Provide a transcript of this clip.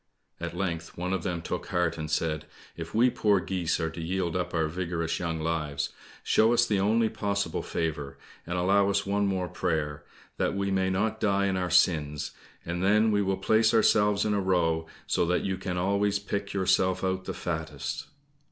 At length one of them took heart and said, "If we poor geese are to yield up our vigorous young lives, show us the only possible favour and allow us one more prayer, that we may not die in our sins, and then we will place ourselves in a row, so that you can always pick yourself out the fattest."